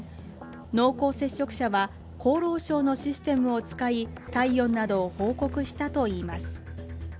濃厚接触者は厚労省のシステムを使い体温などを報告したといいます。